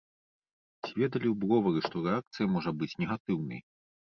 Ці ведалі ў бровары, што рэакцыя можа быць негатыўнай?